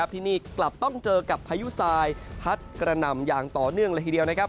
ที่นี่กลับต้องเจอกับพายุทรายพัดกระหน่ำอย่างต่อเนื่องเลยทีเดียวนะครับ